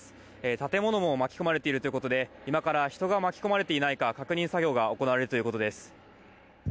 建物も巻きまれているということで今から人が巻き込まれていないか確認作業が行われるということです。